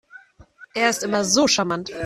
Er ist immer so charmant.